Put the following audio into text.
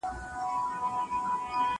زه به سبا سیر وکړم؟!